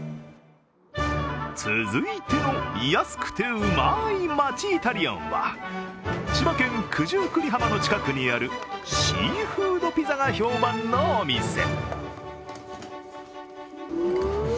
続いての安くてうまい町イタリアンは、千葉県九十九里浜の近くにあるシーフードピザが評判のお店。